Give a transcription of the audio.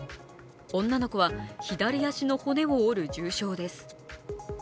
女の子は左足の骨を折る重傷です。